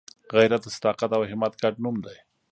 غیرت د صداقت او همت ګډ نوم دی